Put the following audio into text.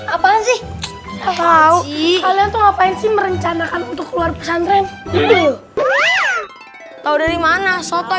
apaan sih kau ngapain sih merencanakan untuk keluar pesan rem tahu dari mana